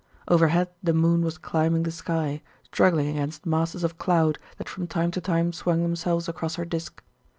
Overhead the moon was climbing the sky, struggling against masses of cloud that from time to time swung themselves across her disc.